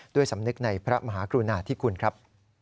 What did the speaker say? สำนึกในพระมหากรุณาธิคุณครับ